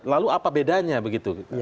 lalu apa bedanya begitu